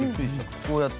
こうやって？